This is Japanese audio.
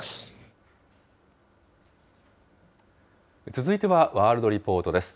続いてはワールドリポートです。